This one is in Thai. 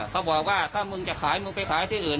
เขาบอกว่าถ้ามึงจะขายมึงไปขายที่อื่น